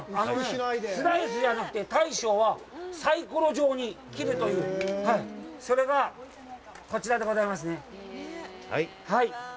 スライスじゃなくて、大将はサイコロ状に切るという、それがこちらでございますね。